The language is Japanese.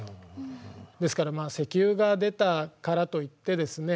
ですからまあ石油が出たからといってですね